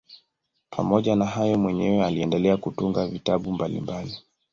Pamoja na hayo mwenyewe aliendelea kutunga vitabu mbalimbali.